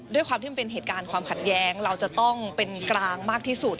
ด้วยความที่มันเป็นเหตุการณ์ความขัดแย้งเราจะต้องเป็นกลางมากที่สุด